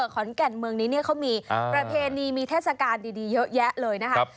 ขอนแก่นเมืองนี้เขามีประเพณีมีเทศกาลดีเยอะแยะเลยนะครับ